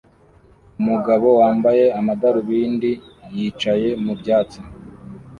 Umugabo wambaye amadarubindi yicaye mu byatsi